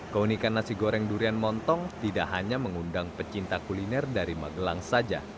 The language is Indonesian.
keunikan nasi goreng durian montong tidak hanya mengundang pecinta kuliner dari magelang saja